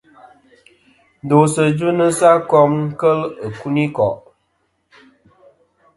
Ndosɨ dvɨnɨsɨ a kom nɨn kel ikunikò'.